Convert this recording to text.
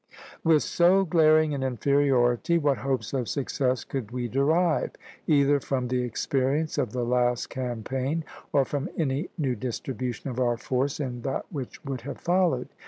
"With so glaring an inferiority, what hopes of success could we derive, either from the experience of the last campaign, or from any new distribution of our force in that which would have followed?